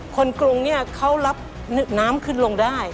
คนกรุงเขารับน้ำขึ้นลงได้